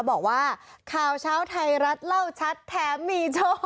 บอกว่าข่าวเช้าไทยรัฐเล่าชัดแถมมีโชค